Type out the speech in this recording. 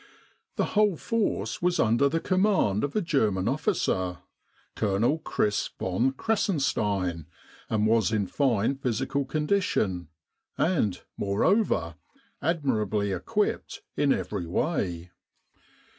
The whole force was under the command of a German officer, The Sinai Desert Campaign Colonel Kriss von Kressenstein, and was in fine physical condition, and, moreover, admirably equipped in every way.